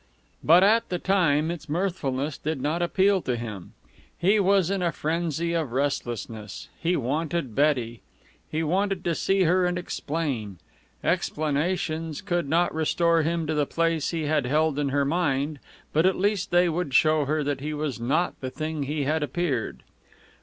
But at the time its mirthfulness did not appeal to him. He was in a frenzy of restlessness. He wanted Betty. He wanted to see her and explain. Explanations could not restore him to the place he had held in her mind, but at least they would show her that he was not the thing he had appeared.